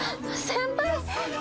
先輩！